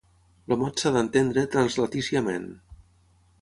El mot s'ha d'entendre translatíciament.